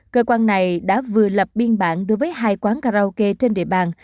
cơ quan này đã vừa lập biên bản đối với hai quán karaoke trên địa bàn